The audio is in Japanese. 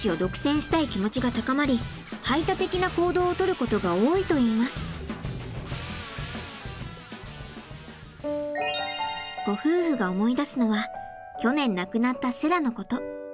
ご夫婦が思い出すのは去年亡くなったセラのこと。